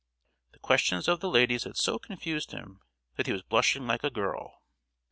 The questions of the ladies had so confused him that he was blushing like a girl.